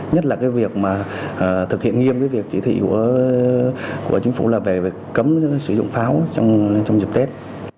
nhất là việc thực hiện nghiêm với việc chỉ thị của chính phủ là về cấm sử dụng pháo trong dịp tết